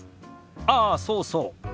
ああそうそう。